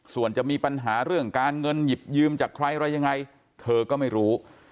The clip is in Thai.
ส่วนจะมีปัญหาเรื่องการเงินหยิบยืมจากใครอะไรยังไงเธอก็ไม่รู้